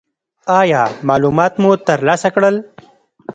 ایا معلومات مو ترلاسه کړل؟